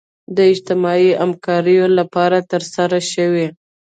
د اجتماعي همکاریو لپاره ترسره شوي.